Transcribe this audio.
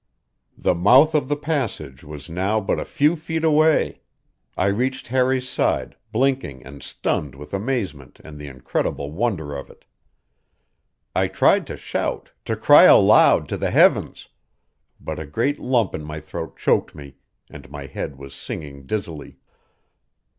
The mouth of the passage was now but a few feet away; I reached Harry's side, blinking and stunned with amazement and the incredible wonder of it. I tried to shout, to cry aloud to the heavens, but a great lump in my throat choked me and my head was singing dizzily.